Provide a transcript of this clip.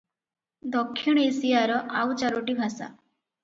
ଦକ୍ଷିଣ ଏସିଆର ଆଉ ଚାରୋଟି ଭାଷା ।